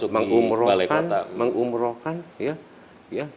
mengumrohkan mengumrohkan ya